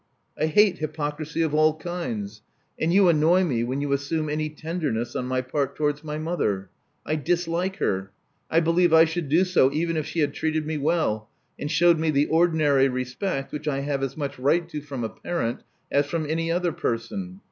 I hate hjrpocrisy of all kinds; and you annoy me when you assume any tender ness on my part towards my mother. I dislike her. I believe I should do so even if she had treated me well, and shewed me the ordinary respect which I have as much right to from a parent as from any other person.